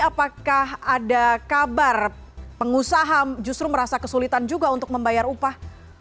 apakah ada kabar pengusaha justru merasa kesulitan juga untuk membayar upah